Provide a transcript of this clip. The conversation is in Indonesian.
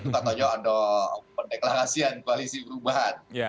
ternyata ada deklarasian koalisi berubahan